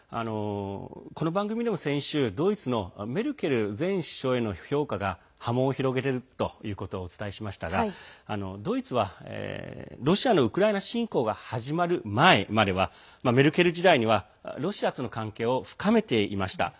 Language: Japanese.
この番組でも、先週ドイツのメルケル前首相への評価が波紋を広げているということはお伝えしましたがドイツは、ロシアのウクライナ侵攻が始まる前まではメルケル時代には、ロシアとの関係を深めていました。